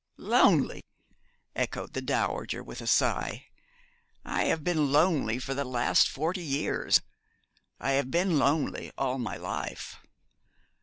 'Lonely,' echoed the dowager, with a sigh. 'I have been lonely for the last forty years I have been lonely all my life.